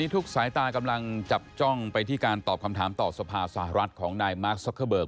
ทุกสายตากำลังจับจ้องไปที่การตอบคำถามต่อสภาสหรัฐของนายมาร์คซักเกอร์เบิร์ก